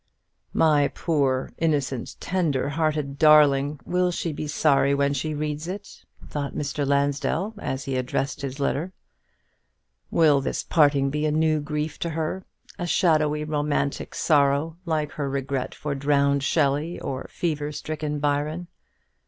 "My poor, innocent, tender hearted darling! will she be sorry when she reads it?" thought Mr. Lansdell, as he addressed his letter. "Will this parting be a new grief to her, a shadowy romantic sorrow, like her regret for drowned Shelley, or fever stricken Byron?